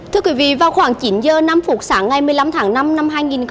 thưa quý vị vào khoảng chín h năm phút sáng ngày một mươi năm tháng năm năm hai nghìn một mươi bảy